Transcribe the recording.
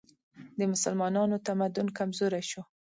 د مسلمانانو تمدن کمزوری شو